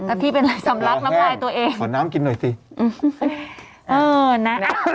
โอเคเป็นไรสำรักน้ำควายตัวเอง